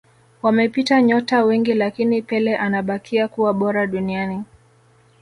wamepita nyota wengi lakini pele anabakia kuwa bora duniani